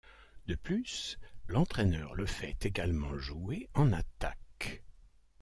De plus, l'entraineur le fait également jouer en attaque.